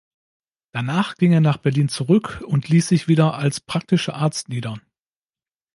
Danach ging er nach Berlin zurück und ließ sich wieder als praktischer Arzt nieder.